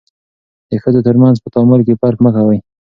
د ښځو ترمنځ په تعامل کې فرق مه کوئ.